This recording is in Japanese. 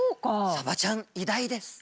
サバちゃん偉大です。